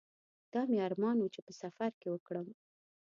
دا مې ارمان و چې په کې سفر وکړم.